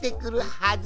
「はず」？